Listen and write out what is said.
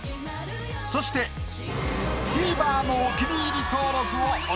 そして「ＴＶｅｒ」のお気に入り登録をお願いします！